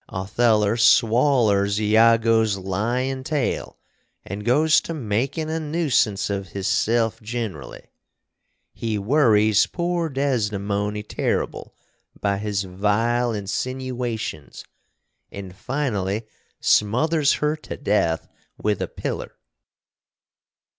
Otheller swallers Iagos lyin tail & goes to makin a noosence of hisself ginrally. He worries poor Desdemony terrible by his vile insinuations & finally smothers her to deth with a piller.